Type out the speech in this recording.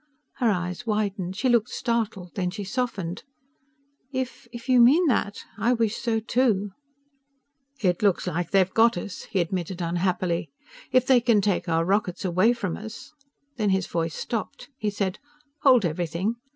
Her eyes widened. She looked startled. Then she softened. "If ... you mean that ... I wish so too." "It looks like they've got us," he admitted unhappily. "If they can take our rockets away from us " Then his voice stopped. He said, "Hold everything!"